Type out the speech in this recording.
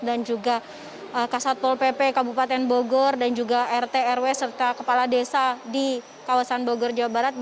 dan juga kasatpol pp kabupaten bogor dan juga rt rw serta kepala desa di kawasan bogor jawa barat